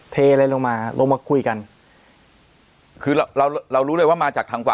เทอะไรลงมาลงมาคุยกันคือเราเรารู้เลยว่ามาจากทางขวา